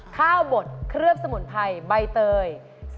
ข้าวบดเคลือบสมุนไพรใบเตย